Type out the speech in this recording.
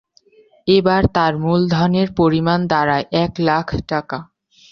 এবার তাঁর মুলধনের পরিমাণ দাঁড়ায় এক লাখ টাকা।